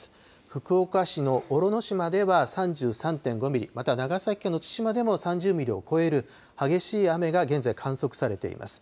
福岡市の小呂島では３３．５ミリ、また長崎県の対馬でも３０ミリを超える激しい雨が現在、観測されています。